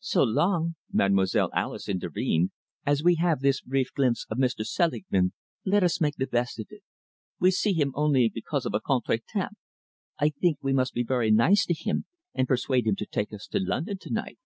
"So long," Mademoiselle Alice intervened, "as we have this brief glimpse of Mr. Selingman, let us make the best of it. We see him only because of a contretemps. I think we must be very nice to him and persuade him to take us to London to night."